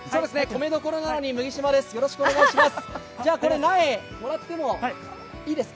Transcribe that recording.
米どころなのに、麦島です。